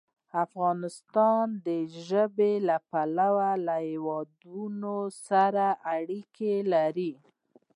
افغانستان د ژبو له پلوه له هېوادونو سره اړیکې لري.